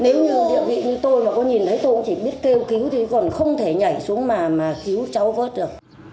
nếu như địa vị như tôi mà có nhìn thấy tôi cũng chỉ biết kêu cứu thì còn không thể nhảy xuống mà cứu cháu vớt được